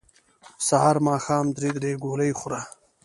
سحر ماښام درې درې ګولۍ خوره